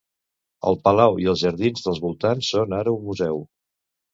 El palau i els jardins dels voltants són ara un museu.